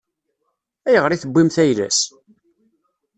Ayɣer i tewwimt ayla-s?